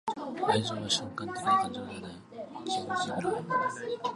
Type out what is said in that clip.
愛情は瞬間的な感情ではない.―ジグ・ジグラー―